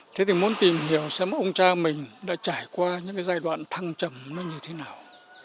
thế thì muốn tìm hiểu xem ông cha mình đã trải qua những cái giai đoạn thăng trầm nó như thế nào